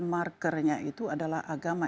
markernya itu adalah agama